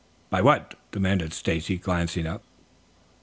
"By what?" demanded Stacy, glancing up.